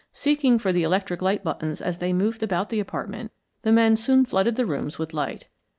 Seeking for the electric light buttons as they moved about the apartment, the men soon flooded the rooms with light.